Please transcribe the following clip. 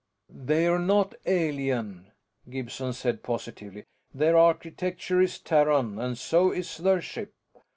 "They're not alien," Gibson said positively. "Their architecture is Terran, and so is their ship.